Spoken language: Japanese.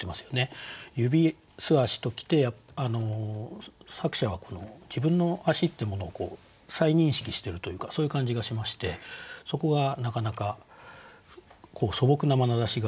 「指」「素足」と来て作者はこの自分の足というものを再認識してるというかそういう感じがしましてそこがなかなか素朴なまなざしが簡潔に詠まれてるなと思いました。